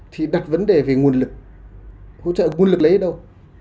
thì đặt vấn đề về nguồn lực hỗ trợ nguồn lực lấy đâu